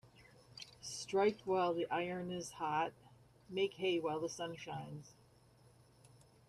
Strike while the iron is hot Make hay while the sun shines